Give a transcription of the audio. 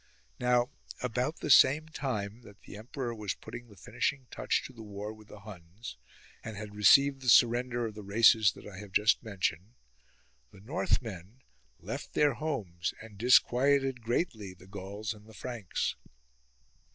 13. Now about the same time that the emperor was putting the finishing touch to the war with the Huns, and had received the surrender of the races that I have just mentioned, the Northmen left their homes and disquieted greatly the Gauls and the Franks.